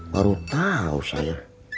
baru tahu saya